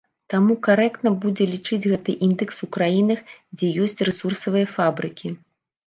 Таму карэктна будзе лічыць гэты індэкс у краінах, дзе ёсць рэсурсавыя фабрыкі.